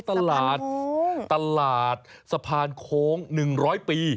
สะพานโค้งตลาดสะพานโค้ง๑๐๐ปี